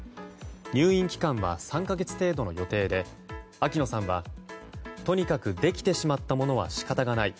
入院期間は３か月程度の予定で秋野さんはとにかくできてしまったものは仕方がない。